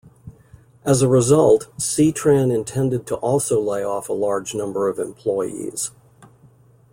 As a result, C-Tran intended to also lay off a large number of employees.